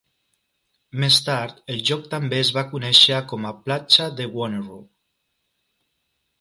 Més tard, el lloc també es va conèixer com a "platja de Wanneroo".